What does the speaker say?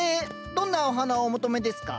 どんなお花をお求めですか？